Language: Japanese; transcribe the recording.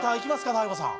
大悟さん。